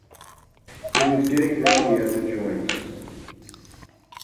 It was getting groggy at the joints.